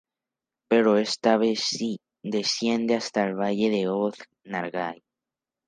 Pero esta vez sí desciende hasta el valle de Ooth-Nargai.